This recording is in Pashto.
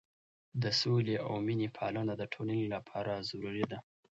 د سولې او مینې پالنه د ټولنې لپاره ضروري ده.